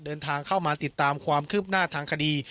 เดินทางเข้ามาติดตามความคืบหน้าทางคดี